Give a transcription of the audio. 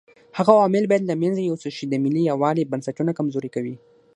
هغه عوامل باید له منځه یوسو چې د ملي یووالي بنسټونه کمزوري کوي.